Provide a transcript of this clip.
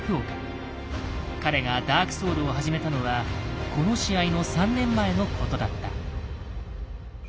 彼が「ＤＡＲＫＳＯＵＬＳ」を始めたのはこの試合の３年前のことだった。